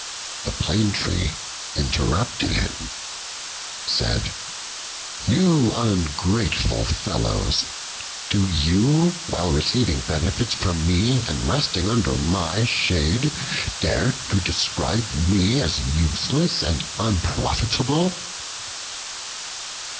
The Plane Tree, interrupting him, said, "You ungrateful fellows! Do you, while receiving benefits from me and resting under my shade, dare to describe me as useless, and unprofitable?"